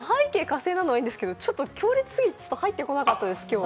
ちょっと背景が火星なのはいいんですけど、ちょっと強烈すぎて入ってこなかったです、今日は。